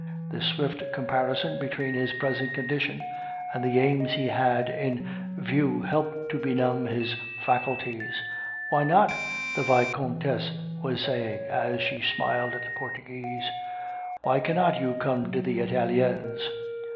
This swift comparison between his present condition and the aims he had in view helped to benumb his faculties. "Why not?" the Vicomtesse was saying, as she smiled at the Portuguese. "Why cannot you come to the Italiens?"